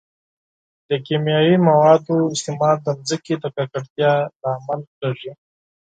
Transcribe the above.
د کیمیاوي موادو استعمال د ځمکې د ککړتیا لامل کیږي.